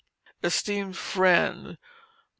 ESTEEMED FRIEND, WM.